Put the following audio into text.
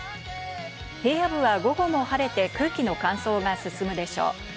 平野部は午後も晴れて空気の乾燥が進むでしょう。